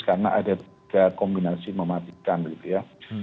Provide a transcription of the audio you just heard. karena ada tiga kombinasi mematikan gitu ya